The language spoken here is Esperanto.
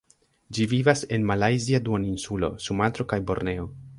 Ĝi vivas en Malajzia Duoninsulo, Sumatro kaj Borneo.